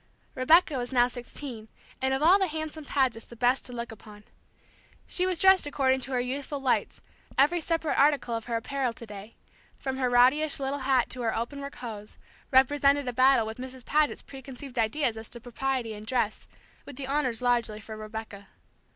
Rebecca was now sixteen, and of all the handsome Pagets the best to look upon. She was dressed according to her youthful lights; every separate article of her apparel to day, from her rowdyish little hat to her openwork hose, represented a battle with Mrs. Paget's preconceived ideas as to propriety in dress, with the honors largely for Rebecca.